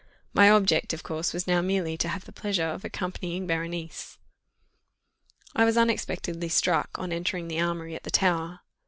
My object, of course, was now merely to have the pleasure of accompanying Berenice. I was unexpectedly struck, on entering the armoury at the Tower.